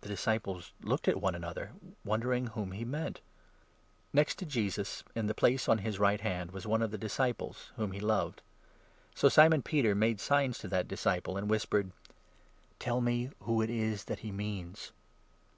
The disciples looked at one another, wondering whom he 22 meant. Next to Jesus, in the place on his right hand, was 23 one of his disciples, whom he loved. So Simon Peter made 24 signs to that disciple, and whispered :" Tell me who it is that he means."